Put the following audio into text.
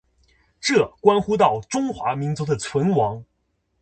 这关乎到中华民族的存亡。